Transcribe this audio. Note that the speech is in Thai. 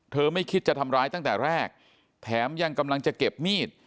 ไม่คิดจะทำร้ายตั้งแต่แรกแถมยังกำลังจะเก็บมีด